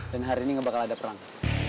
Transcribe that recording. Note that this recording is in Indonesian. dan hari ini gak bakal ada perang